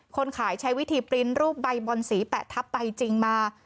คนขายใช้วิธีปริ้นต์รูปใบบอนสีแปะทับไปจริงมา